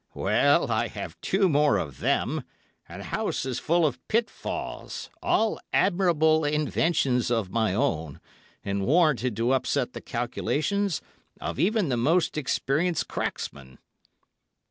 'Well, I have two more of them, and the house is full of pitfalls, all admirable inventions of my own, and warranted to upset the calculations of even the most experienced cracksman.